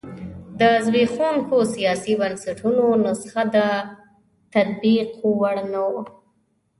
د زبېښونکو سیاسي بنسټونو نسخه د تطبیق وړ نه وه.